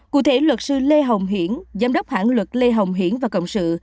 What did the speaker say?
cụ thể luật sư lê hồng hiển giám đốc hãng luật lê hồng hiển và cộng sự